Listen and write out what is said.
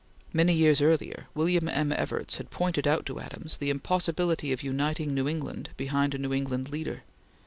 Many years earlier William M. Evarts had pointed out to Adams the impossibility of uniting New England behind a New England leader.